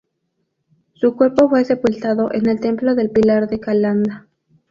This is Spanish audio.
Su cuerpo fue sepultado en el templo del Pilar de Calanda.